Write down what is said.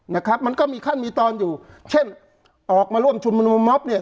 นะครับมันก็มีขั้นมีตอนอยู่เช่นออกมาร่วมเนี้ย